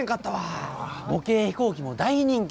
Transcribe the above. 模型飛行機も大人気でした。